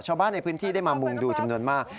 ชาวบ้านในพื้นที่ได้มามุงดูจำนวนมาก